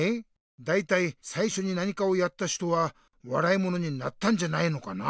だいたいさいしょに何かをやった人はわらいものになったんじゃないのかな。